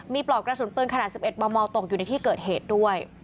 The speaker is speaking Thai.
มีปลอกกระสุนปืนขนาด๑๑มมตกอยู่ในที่เกิดเหตุด้วย